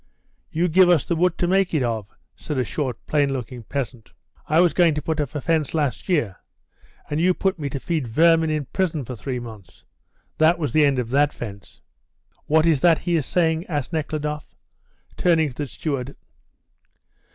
"You give us the wood to make it of," said a short, plain looking peasant. "I was going to put up a fence last year, and you put me to feed vermin in prison for three months. That was the end of that fence." "What is it he is saying?" asked Nekhludoff, turning to the steward.